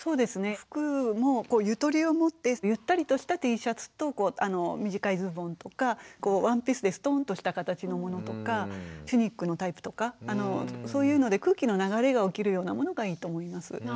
服もゆとりをもってゆったりとしたＴシャツと短いズボンとかワンピースでストンとした形のものとかチュニックのタイプとかそういうので空気の流れが起きるようなものがいいと思います。